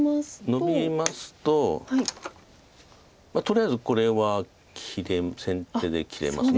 ノビますととりあえずこれは先手で切れます。